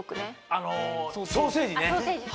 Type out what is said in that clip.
あのソーセージね。